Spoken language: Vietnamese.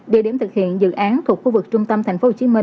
địa điểm thực hiện dự án thuộc khu vực trung tâm tp hcm